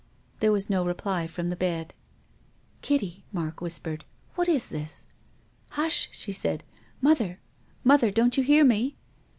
There was no reply from the bed. " Kitty," Mark whispered, " what is this ?"" Hush !" she said. " Mother— mother, don't you hear me?